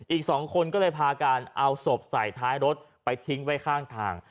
อีก๒คนก็เลยพาการเอาศพใส่ท้ายรถไปทิ้งไว้ข้างทาง